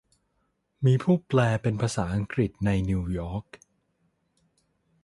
มีผู้แปลเป็นภาษาอังกฤษในนิวยอร์ค